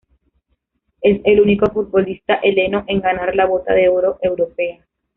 Es el único futbolista heleno en ganar la Bota de Oro europea.